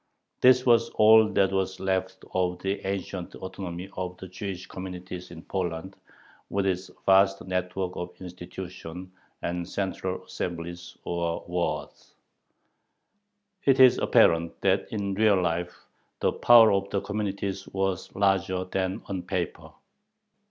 This was all that was left of the ancient autonomy of the Jewish communities in Poland, with its vast network of institutions and central assemblies, or Waads. It is apparent that in real life the power of the communities was larger than on paper.